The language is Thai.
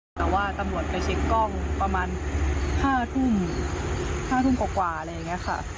แต่ว่าตำรวจไปเช็คกล้องประมาณ๕ทุ่ม๕ทุ่มกว่าอะไรอย่างนี้ค่ะ